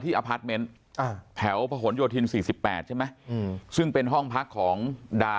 อพาร์ทเมนต์แถวพะหนโยธิน๔๘ใช่ไหมซึ่งเป็นห้องพักของดา